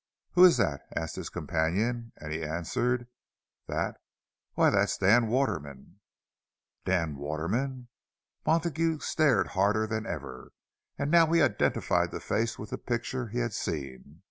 "Who is that?" asked his companion; and he answered, "That? Why, that's Dan Waterman." Dan Waterman! Montague stared harder than ever, and now he identified the face with the pictures he had seen.